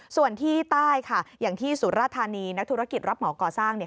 ส่วนที่ใต้ค่ะอย่างที่สุราธานีนักธุรกิจรับเหมาก่อสร้าง